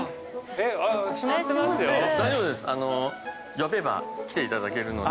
呼べば来ていただけるので。